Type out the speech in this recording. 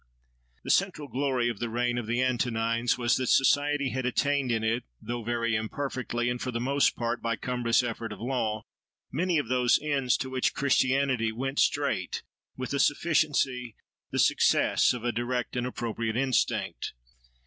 The central glory of the reign of the Antonines was that society had attained in it, though very imperfectly, and for the most part by cumbrous effort of law, many of those ends to which Christianity went straight, with the sufficiency, the success, of a direct and appropriate instinct.